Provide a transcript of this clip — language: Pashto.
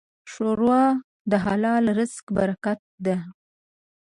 ښوروا د حلال رزق برکت ده.